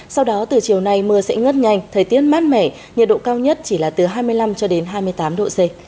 sau đó từ chiều nay mưa sẽ ngớt nhanh thời tiết mát mẻ nhiệt độ cao nhất chỉ là từ hai mươi năm cho đến hai mươi tám độ c